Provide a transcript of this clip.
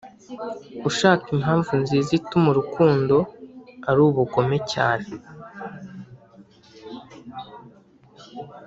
ushaka impamvu nziza ituma urukundo ari ubugome cyane,